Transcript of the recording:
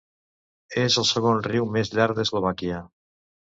És el segon riu més llarg d'Eslovàquia.